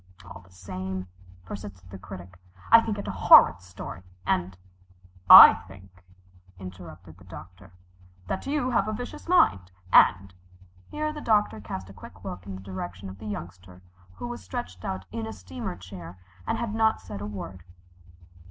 "All the same," persisted the Critic, "I think it a horrid story and " "I think," interrupted the Doctor, "that you have a vicious mind, and " Here the Doctor cast a quick look in the direction of the Youngster, who was stretched out in a steamer chair and had not said a word.